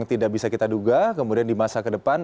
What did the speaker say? tidak bisa kita duga kemudian di masa kedepan